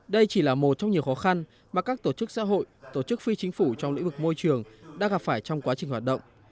đây chỉ là một trong nhiều khó khăn mà các tổ chức xã hội tổ chức phi chính phủ trong lĩnh vực môi trường đã gặp phải trong quá trình hoạt động